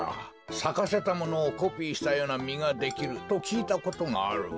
さかせたものをコピーしたようなみができるときいたことがあるが。